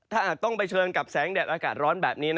ถ้าอาจต้องเผชิญกับแสงแดดอากาศร้อนแบบนี้